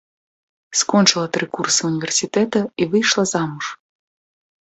Скончыла тры курсы ўніверсітэта і выйшла замуж.